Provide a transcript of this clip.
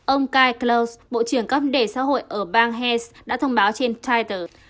ông kai klaus bộ trưởng cấp đề xã hội ở bang hesse đã thông báo trên titer